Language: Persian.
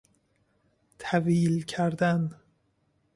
طویل کردن